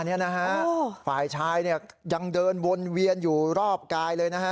เนี่ยนะฮะฝ่ายชายเนี่ยยังเดินวนเวียนอยู่รอบกายเลยนะฮะ